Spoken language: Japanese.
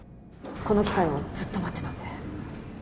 この機会をずっと待ってたんで。